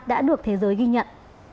đã được thế giới ghi nhận